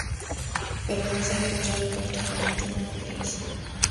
Pero no se ha encontrado prácticamente nada de eso.